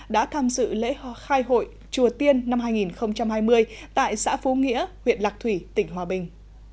đã tham dự lễ khai hội chùa tiên năm hai nghìn hai mươi tại xã phú nghĩa huyện lạc thủy tỉnh hòa bình